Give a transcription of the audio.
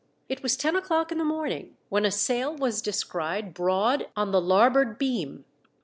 It was ten o'clock in the morning when a sail was descried broad on the larboard beam.